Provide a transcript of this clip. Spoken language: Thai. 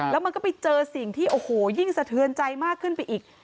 แล้วมันก็ไปเจอสิ่งที่โอ้โหยิ่งสะเทือนใจมากขึ้นไปอีก